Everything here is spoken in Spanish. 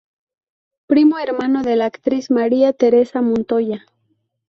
Primo hermano de la actriz María Tereza Montoya.